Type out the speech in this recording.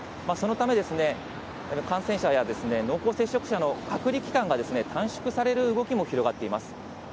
そのため、感染者や濃厚接触者の隔離期間が短縮される動きも広がっています。